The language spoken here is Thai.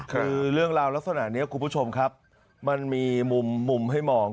คือเรื่องราวลักษณะนี้คุณผู้ชมครับมันมีมุมให้มอง